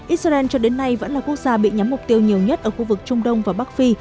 israel cho đến nay vẫn là quốc gia bị nhắm mục tiêu nhiều nhất ở khu vực trung đông và bắc phi